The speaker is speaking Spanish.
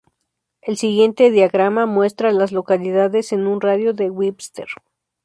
El siguiente diagrama muestra a las localidades en un radio de de Webster.